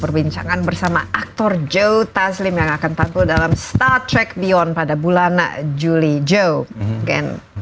perbincangan bersama aktor joe taslim yang akan tampil dalam star trek beyond pada bulan juli joe gen